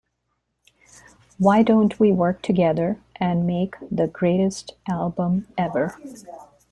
Why don't we work together and make the greatest album ever?